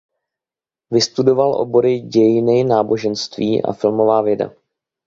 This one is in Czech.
Vystudoval obory dějiny náboženství a filmová věda.